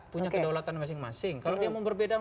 punya kedaulatan masing masing kalau dia mau berbeda